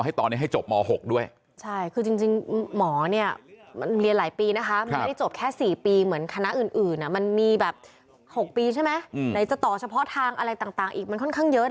หน่อยจะตอเฉพาะเขาทางต่างอีกค่อนข้างเยอะ